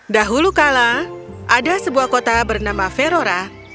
dahulu kala ada sebuah kota bernama verora